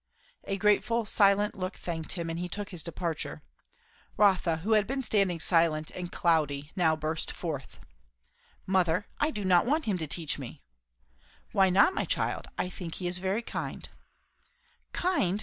A grateful, silent look thanked him, and he took his departure. Rotha, who had been standing silent and cloudy, now burst forth. "Mother! I do not want him to teach me!" "Why not, my child? I think he is very kind.' "Kind!